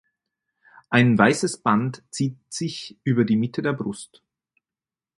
Ein weißes Band zieht sich über die Mitte der Brust.